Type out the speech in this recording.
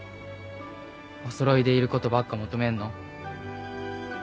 おそろいでいることばっか求めんの？